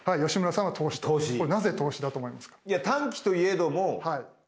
これなぜ投資だと思いますか？